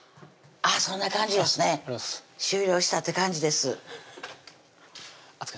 そんな感じですね終了したって感じです熱く